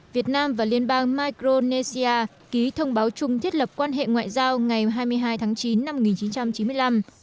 việt nam và liên bang micronesia ký thông báo chung thiết lập quan hệ ngoại giao ngày hai mươi hai tháng chín năm một nghìn chín trăm chín mươi năm